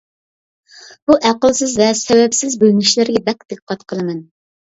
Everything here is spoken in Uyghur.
بۇ ئەقىلسىز ۋە سەۋەبسىز بۆلۈنۈشلەرگە بەك دىققەت قىلىمەن.